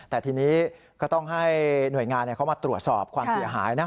แต่ทีนี้ก็ต้องให้หน่วยงานเขามาตรวจสอบความเสียหายนะ